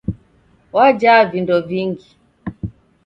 Wajaa vindo vingi!.